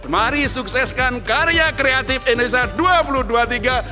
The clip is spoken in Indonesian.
mari sukseskan karya kreatif indonesia dua ribu dua puluh tiga